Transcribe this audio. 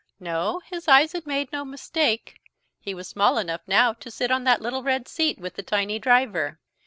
No, his eyes had made no mistake. He was small enough now to sit on that little red seat with the tiny driver.